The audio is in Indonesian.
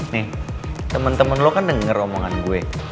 nih temen temen lo kan denger omongan gue